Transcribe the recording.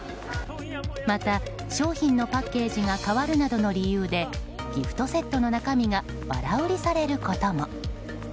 また、商品のパッケージが変わるなどの理由でギフトセットの中身がばら売りされることも。